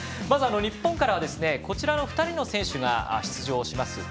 まず日本からはこちらの２人の選手が出場します。